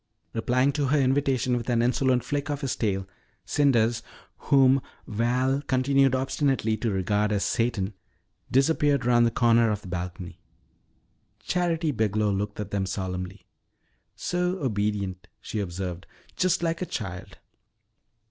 Replying to her invitation with an insolent flirt of his tail, Cinders, whom Val continued obstinately to regard as "Satan," disappeared around the corner of the balcony. Charity Biglow looked at them solemnly. "So obedient," she observed; "just like a child."